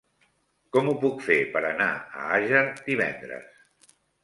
Com ho puc fer per anar a Àger divendres?